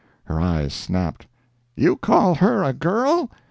Her eyes snapped. "You call her girl!